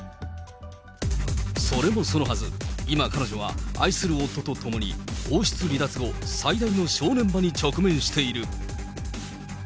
それもそのはず、今、彼女は愛する夫とともに、王室離脱後、最大の正念場に直面している。